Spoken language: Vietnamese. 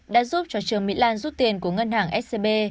đã giúp cho trương mỹ lan rút tiền của ngân hàng scb